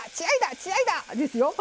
血合いだ！ですよ。